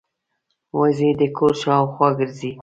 وزې د کور شاوخوا ګرځي